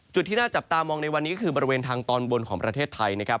ที่น่าจับตามองในวันนี้ก็คือบริเวณทางตอนบนของประเทศไทยนะครับ